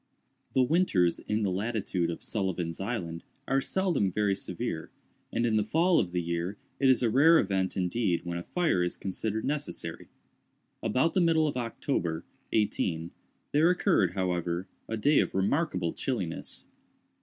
The winters in the latitude of Sullivan's Island are seldom very severe, and in the fall of the year it is a rare event indeed when a fire is considered necessary. About the middle of October, 18—, there occurred, however, a day of remarkable chilliness.